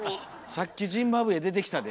さっきジンバブエ出てきたで？